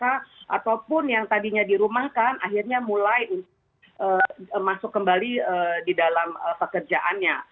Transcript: ataupun yang tadinya dirumahkan akhirnya mulai masuk kembali di dalam pekerjaannya